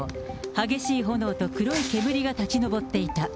激しい炎と黒い煙が立ち上っていた。